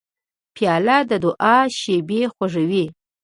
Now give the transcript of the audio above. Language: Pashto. پیاله د دعاو شېبې خوږوي.